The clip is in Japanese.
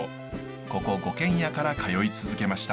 ここ五軒屋から通い続けました。